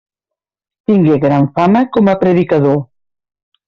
Tingué gran fama com a predicador.